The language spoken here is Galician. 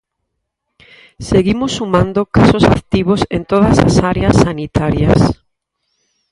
Seguimos sumando casos activos en todas as áreas sanitarias.